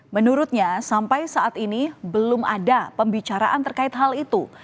menurutnya sampai saat ini belum ada pembicaraan terkait hal itu